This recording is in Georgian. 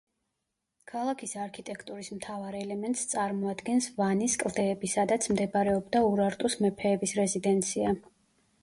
ქალაქის არქიტექტურის მთავარ ელემენტს წარმოადგენს ვანის კლდეები, სადაც მდებარეობდა ურარტუს მეფეების რეზიდენცია.